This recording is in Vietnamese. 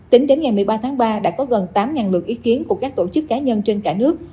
tính đến ngày một mươi ba tháng ba đã có gần tám lượt ý kiến của các tổ chức cá nhân trên cả nước